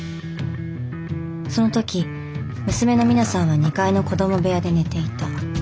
その時娘の己奈さんは２階の子供部屋で寝ていた。